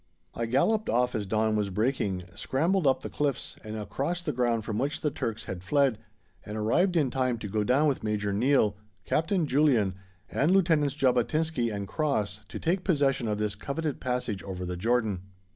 I galloped off as dawn was breaking, scrambled up the cliffs and across the ground from which the Turks had fled, and arrived in time to go down with Major Neill, Captain Julian, and Lieutenants Jabotinsky and Cross, to take possession of this coveted passage over the Jordan.